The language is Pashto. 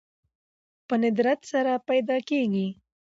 په ندرت سره پيدا کېږي